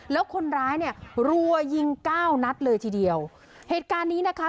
แล้วคนร้ายเนี่ยรัวยิงเก้านัดเลยทีเดียวเหตุการณ์นี้นะคะ